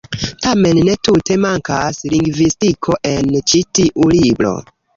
Tamen ne tute mankas lingvistiko en ĉi tiu libro.